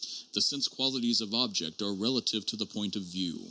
The sense qualities of objects are relative to the point of view.